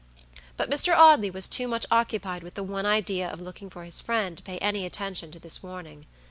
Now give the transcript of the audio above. But Mr. Audley was too much occupied with the one idea of looking for his friend to pay any attention to this warning.